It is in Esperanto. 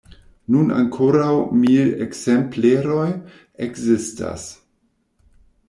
Nun ankoraŭ mil ekzempleroj ekzistas.